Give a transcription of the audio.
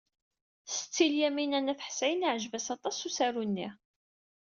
Setti Lyamina n At Ḥsayen yeɛjeb-as aṭas usaru-nni.